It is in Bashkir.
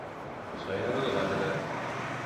Шаярырға белә.